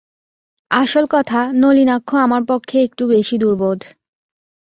আসল কথা, নলিনাক্ষ আমার পক্ষে একটু বেশি দুর্বোধ।